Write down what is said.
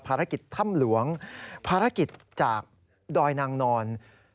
ภารกิจถ้ำหลวงภารกิจจากดอยนางนอน